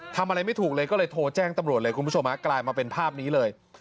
ทำอะไรไม่ถูกเลยก็เลยโทรแจ้งตำรวจเลยคุณผู้ชมฮะกลายมาเป็นภาพนี้เลย